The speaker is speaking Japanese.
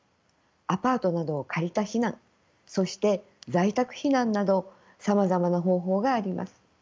アパートなどを借りた避難そして在宅避難などさまざまな方法があります。